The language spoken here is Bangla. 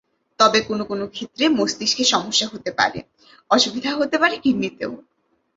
তবে কোনো কোনো ক্ষেত্রে মস্তিষ্কে সমস্যা হতে পারে, অসুবিধা হতে পারে কিডনিতেও।